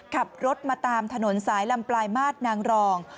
ขับรถมาตามถนนสายลำปลายมาตรนางรอง